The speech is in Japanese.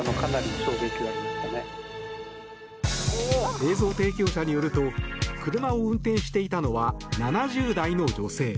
映像提供者によると車を運転していたのは７０代の女性。